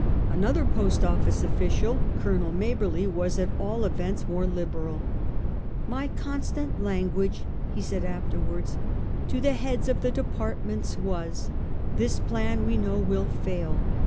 Another Post Office official, Colonel Maber ley, was at all events more liberal. ' My constant language,' he said afterwards, 'to the heads of the departments was — This plan we know will fail.